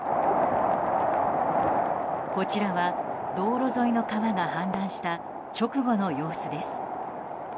こちらは道路沿いの川が氾濫した直後の様子です。